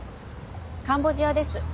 カンボジアです。